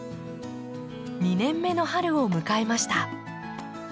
２年目の春を迎えました。